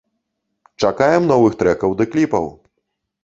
Чакаем новых трэкаў ды кліпаў!